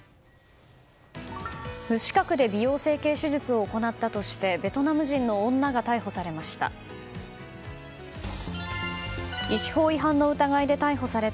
無資格で美容整形手術を行ったとしてベトナム人の女が逮捕されました。